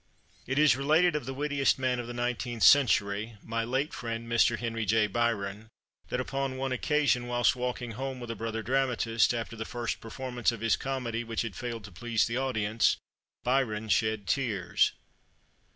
It is related of the wittiest man of the nineteenth century, my late friend Mr. Henry J. Byron, that, upon one occasion, whilst walking home with a brother dramatist, after the first performance of his comedy, which had failed to please the audience, Byron shed tears.